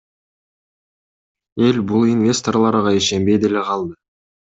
Эл бул инвесторлорго ишенбей деле калды.